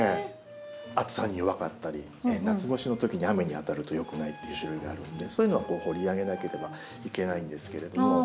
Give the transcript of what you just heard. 暑さに弱かったり夏越しのときに雨に当たるとよくないっていう種類があるんでそういうのは掘り上げなければいけないんですけれども。